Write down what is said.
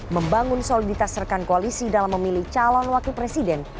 membangun soliditas rekan koalisi dalam memilih calon wakil presiden